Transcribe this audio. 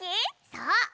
そう！